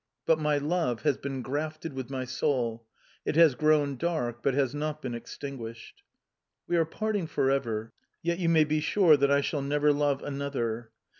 But my love has been grafted with my soul; it has grown dark, but has not been extinguished. "We are parting for ever; yet you may be sure that I shall never love another.